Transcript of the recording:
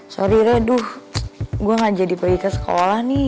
sorry ray duh gue gak jadi pagi ke sekolah nih